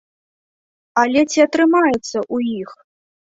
Але ці атрымаецца ў іх?